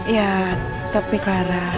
ya tapi clara